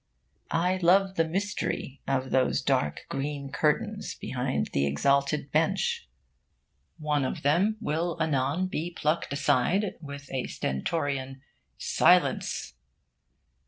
I love the mystery of those dark green curtains behind the exalted Bench. One of them will anon be plucked aside, with a stentorian 'Silence!'